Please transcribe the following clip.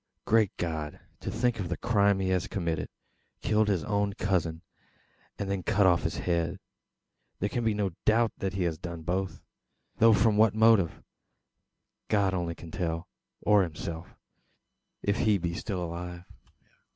"Great God, to think of the crime he has committed! Killed his own cousin, and then cut off his head! There can be no doubt that he has done both; though from what motive, God only can tell, or himself, if he be still alive.